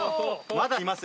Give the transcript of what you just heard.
まだいます？